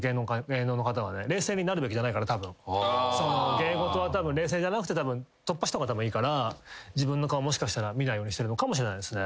芸事はたぶん冷静じゃなくて突破した方がいいから自分の顔もしかしたら見ないようにしてるのかもしれないですね。